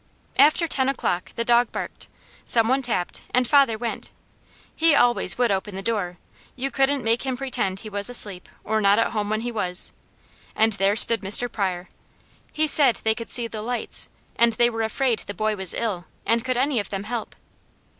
After ten o'clock the dog barked, some one tapped, and father went; he always would open the door; you couldn't make him pretend he was asleep, or not at home when he was, and there stood Mr. Pryor. He said they could see the lights and they were afraid the boy was ill, and could any of them help.